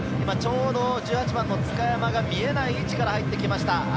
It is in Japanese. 津嘉山が見えない位置から入ってきました。